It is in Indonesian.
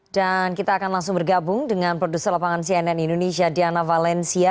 dan kita akan langsung bergabung dengan produser lapangan cnn indonesia diana valencia